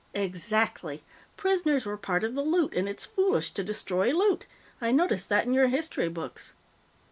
"Exactly. Prisoners were part of the loot, and it's foolish to destroy loot. I noticed that in your history books.